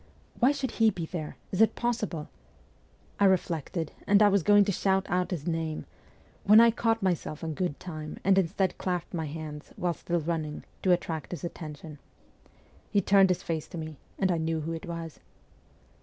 ' Why should he be there ? Is it possible ?' I reflected, and was going to shout out his name, when I caught myself in good time, and instead clapped my hands, while still running, to attract his attention. He turned his face to me and I knew who it was.